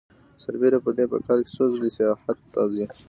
سربېره پر دې په کال کې څو ځلې سیاحت ته ځي